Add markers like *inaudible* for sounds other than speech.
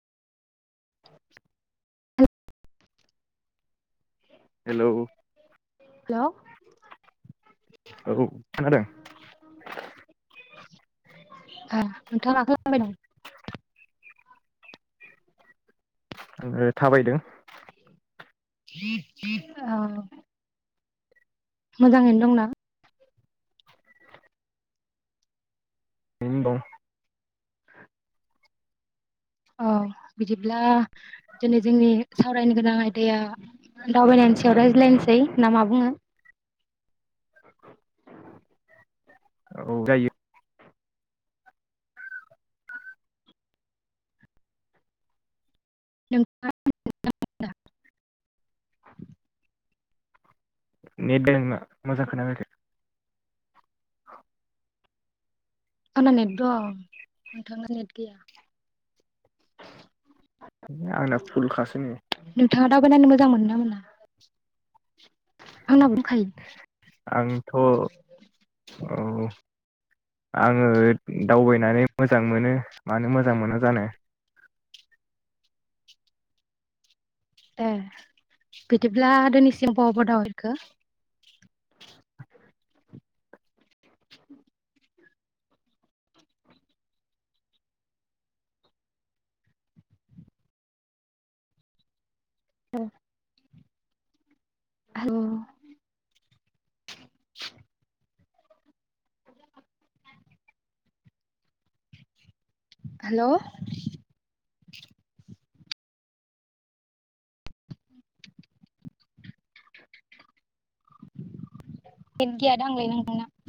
Hello hello औ खोनादों नोंथाङा *unintelligible* आंयो थाबायदों *inaudible* औ मोजाङैनो दंना? नों दं औ बिदिब्ला दिनै जोंनि सावरायनो गोनां आयदाया दावबायनायनि सायाव रायज्लायनोसै ना मा बुङो? औ जायो *unintelligible* नेट दोंना मोजांङै खोना फैयाखै। आंना नेट दं नोंथांना नेट गैया आंना फुलखासो नै नोंथांङा दावबायनो मोजां मोनो ना मोना? आंना दंखायो आंथ' औ आङो दावबायनानै मोजां मोनो मानो मोजां मोना जानो। ए बिदिब्ला दिनैसिम बबाव बबाव दावबायखो? *inaudible* ए औ हेलौ नेट गैया दां लै नोंना।